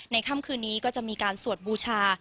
ค่ำคืนนี้ก็จะมีการสวดบูชา